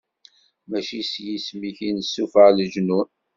Mačči s yisem-ik i nessufuɣ leǧnun?